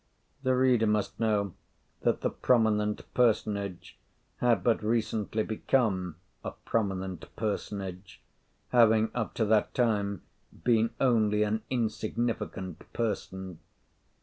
The reader must know that the prominent personage had but recently become a prominent personage, having up to that time been only an insignificant person.